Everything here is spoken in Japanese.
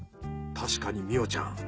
確かに美桜ちゃん